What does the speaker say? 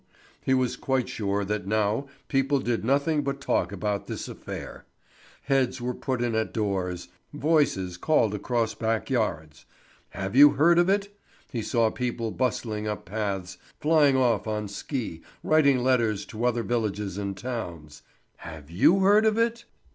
He was quite sure that now people did nothing but talk about this affair. Heads were put in at doors, voices called across back yards: Have you heard it? He saw people bustling up paths, flying off on ski, writing letters to other villages and towns: Have you heard it?